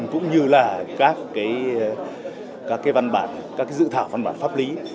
cũng như là các dự thảo văn bản pháp lý